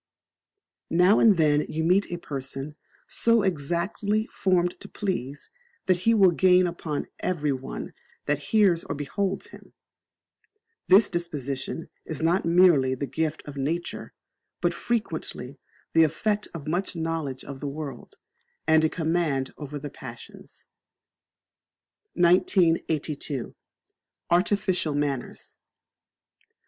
Now and then you meet a person so exactly formed to please, that he will gain upon everyone that hears or beholds him: this disposition is not merely the gift of nature, but frequently the effect of much knowledge of the world, and a command over the passions. 1982. Artificial Manners.